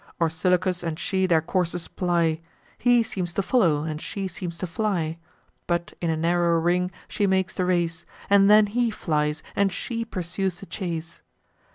Orsilochus and she their courses ply: He seems to follow, and she seems to fly; But in a narrower ring she makes the race; And then he flies, and she pursues the chase.